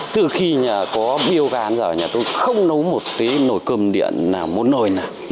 từ khi có biô gà đến giờ nhà tôi không nấu một tí nồi cơm điện nào một nồi nào